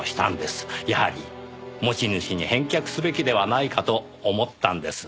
やはり持ち主に返却すべきではないかと思ったんです。